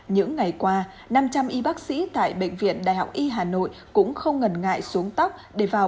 những ngày qua năm trăm linh y bác sĩ tại bệnh viện đại học y hà nội cũng không ngần ngại xuống tóc để vào